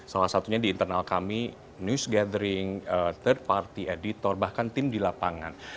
salah satunya di internal kami news gathering third party editor bahkan tim di lapangan